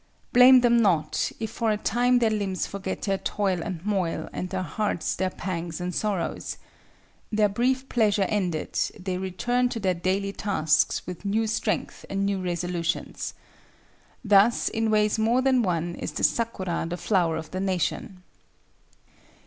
Blame them not, if for a time their limbs forget their toil and moil and their hearts their pangs and sorrows. Their brief pleasure ended, they return to their daily tasks with new strength and new resolutions. Thus in ways more than one is the sakura the flower of the nation.